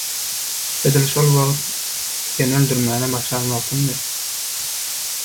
Edil şol wagt seni öldürmäne başlan wagtymdy.